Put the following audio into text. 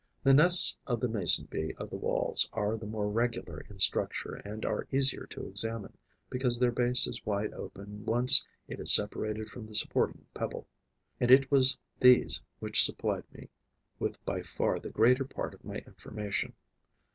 The nests of the Mason bee of the Walls are the more regular in structure and are easier to examine, because their base is wide open once it is separated from the supporting pebble; and it was these which supplied me with by far the greater part of my information.